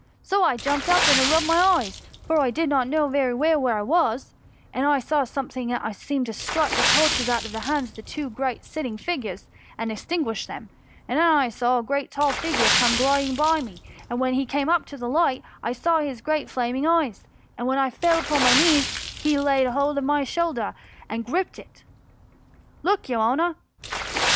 So up I jumped and rubbed my eyes, for I did not know very well where I was ; and then I saw something that seemed to strike the torches out of the hands of the two great sitting figures, and extinguish them ; and then I saw a great tall figure come gliding by me ; and when he came up to the light, I saw his great flaming eyes ; and then I fell upon my knees, and he laid hold of my shoulder and griped it. Xook, THE MUMMY. 237 your honour